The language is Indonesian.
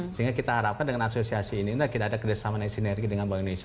sehingga kita harapkan dengan asosiasi ini tidak ada kerjasama dan sinergi dengan bank indonesia